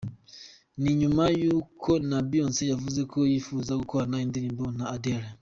Ni nyuma y’uko na Beyonce yavuze ko yifuza gukorana indirimbo na Adele.